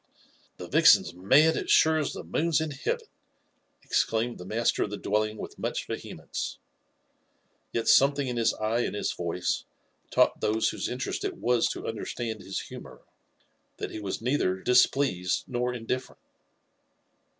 '* The vixen's mad, as sure as the moon's in heaven l" etclaimCMl the master of the dwelling with much yehemepce ; ye| something ift bis eye and his voice taught those whose interest it was. to understand his humour, that h^ was neither displeased nor indifferent.